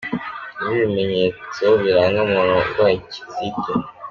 Ni ibihe bimenyetso biranga umuntu urwaye cystite?.